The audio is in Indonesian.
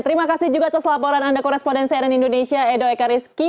terima kasih juga atas laporan anda koresponden cnn indonesia edo ekariski